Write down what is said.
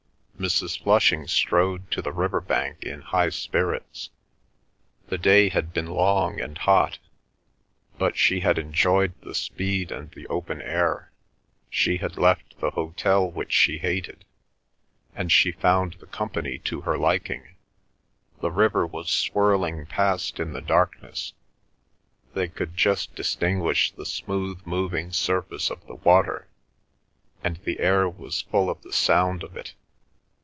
Mrs. Flushing strode to the river bank in high spirits. The day had been long and hot, but she had enjoyed the speed and the open air; she had left the hotel which she hated, and she found the company to her liking. The river was swirling past in the darkness; they could just distinguish the smooth moving surface of the water, and the air was full of the sound of it.